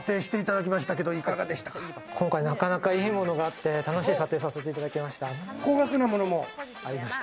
今回、なかなかいいものがあって、楽しい査定をさせていただきました。